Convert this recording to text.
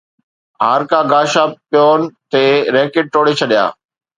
هارڪاغاشابيون ٽي ريڪٽ ٽوڙي ڇڏيا